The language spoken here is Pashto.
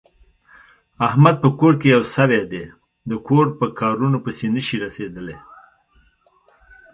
احمد په کور کې یو سری دی، د کور په کارنو پسې نشي رسېدلی.